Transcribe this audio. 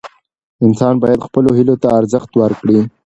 انسان باید خپلو هیلو ته ارزښت ورکړي.